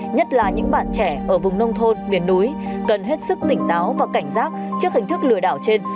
nhất là những bạn trẻ ở vùng nông thôn miền núi cần hết sức tỉnh táo và cảnh giác trước hình thức lừa đảo trên